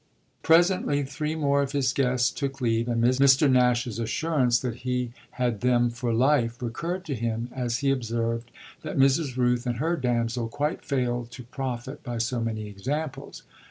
Presently three more of his guests took leave, and Mr. Nash's assurance that he had them for life recurred to him as he observed that Mrs. Rooth and her damsel quite failed to profit by so many examples.